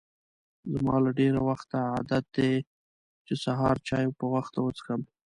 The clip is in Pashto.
زما له ډېر وخته عادت دی چې سهار چای په وخته څښم.